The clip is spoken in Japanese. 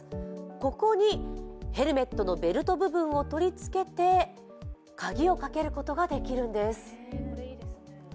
ここにヘルメットのベルト部分を取り付けて鍵をかけることができるんです。